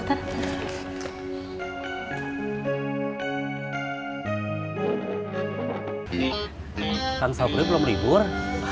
kang sobri belum libur